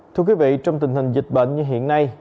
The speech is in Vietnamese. thưa quý vị trong tình hình dịch bệnh như hiện nay